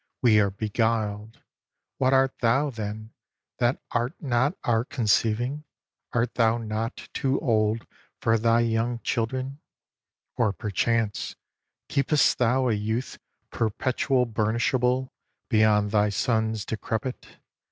we are beguiled!" What art thou, then, That art not our conceiving? Art thou not Too old for thy young children? Or perchance, Keep'st thou a youth perpetual burnishable Beyond thy sons decrepit?